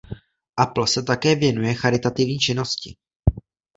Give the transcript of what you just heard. Apl se také věnuje charitativní činnosti.